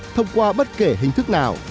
thông qua bất kể hình thức nào